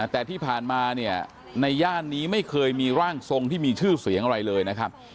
แต่ที่ผ่านมาเนี่ยในย่านนี้ไม่เคยมีร่างทรงที่มีชื่อเสียงอะไรเลยนะครับ